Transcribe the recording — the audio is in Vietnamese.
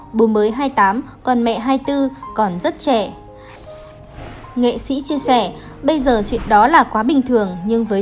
là tuổi mới hai mươi tám con mẹ hai mươi bốn còn rất trẻ nghệ sĩ chia sẻ bây giờ chuyện đó là quá bình thường nhưng với